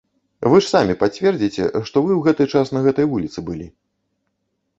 Вы ж самі пацвердзіце, што вы ў гэты час на гэтай вуліцы былі.